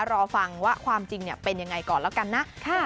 รอฟังว่าความจริงเป็นยังไงก่อนแล้วกันนะ